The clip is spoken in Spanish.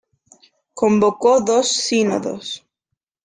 Convocó dos Sínodos.